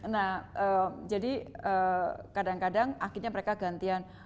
nah jadi kadang kadang akhirnya mereka gantian